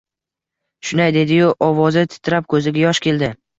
Shunday dedi-yu, ovozi titrab, koʼziga yosh keldi.